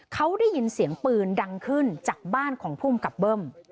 เขาได้ยินเสียงปืนดังขึ้นจากบ้านของภูมิกับเบิ้ม